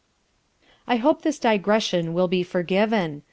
] I hope this digression will be forgiven.